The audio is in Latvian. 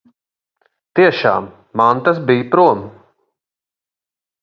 Tiešām, mantas bija prom.